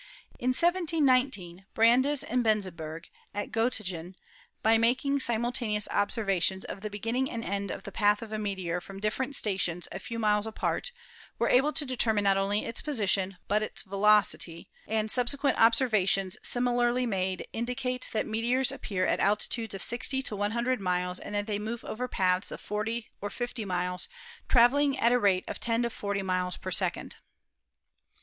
In 1719 Brandes and Benzenberg, at Gottingen, by making simul taneous observations of the beginning and end of the path of a meteor from different stations a few miles apart were able to determine not only its position, but its veloc ity, and subsequent observations similarly made indicate that meteors appear at altitudes of 60 to 100 miles and that they move over paths of 40 or 50 miles, traveling at a rate of 10 to 40 miles a second.